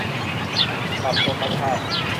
ปรับโฟกัสภาพ